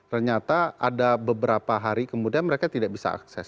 ternyata ada beberapa hari kemudian mereka tidak bisa akses